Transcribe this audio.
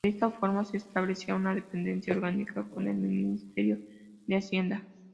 De esta forma, se establecía una dependencia orgánica con el Ministerio de Hacienda.